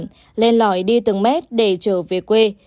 người mệt mỏi đi từng mét để trở về quê